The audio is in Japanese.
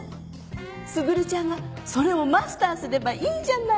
卓ちゃんがそれをマスターすればいいじゃない。